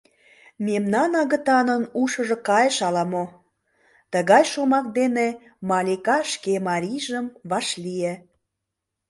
— Мемнан агытанын ушыжо кайыш ала-мо, — тыгай шомак дене Малика шке марийжым вашлие.